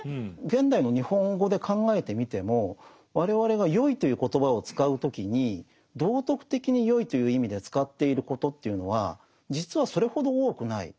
現代の日本語で考えてみても我々が「よい」という言葉を使う時に道徳的に善いという意味で使っていることというのは実はそれほど多くない。